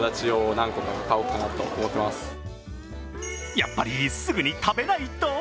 やっぱり、すぐに食べないと。